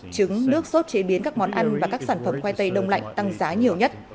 trứng nước sốt chế biến các món ăn và các sản phẩm khoai tây đông lạnh tăng giá nhiều nhất